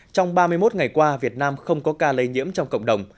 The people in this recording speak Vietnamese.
trong ba mươi một ngày qua việt nam không có ca lây nhiễm trong cộng đồng